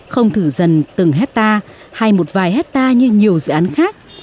không thử dần từng hecta hay một vài hecta như nhiều dự án khác